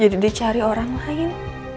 jadi dicari orang lain